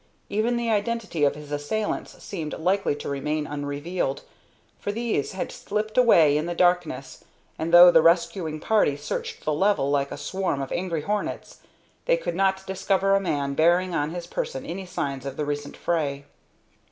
Even the identity of his assailants seemed likely to remain unrevealed, for these had slipped away in the darkness, and though the rescuing party searched the level like a swarm of angry hornets, they could not discover a man bearing on his person any signs of the recent fray.